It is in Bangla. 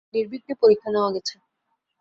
নির্বিঘ্নে পরীক্ষা নেওয়া গেছে।